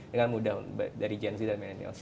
dengan mudah dari gnc dan millennials